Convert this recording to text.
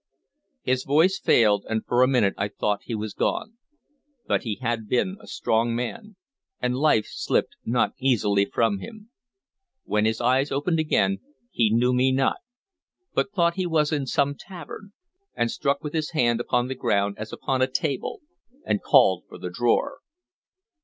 His voice failed, and for a minute I thought he was gone; but he had been a strong man, and life slipped not easily from him. When his eyes opened again he knew me not, but thought he was in some tavern, and struck with his hand upon the ground as upon a table, and called for the drawer.